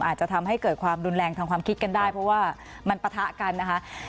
อาจจะทำให้เกิดความรุนแรงทางความคิดกันได้เพราะว่ามันปะทะกันนะคะ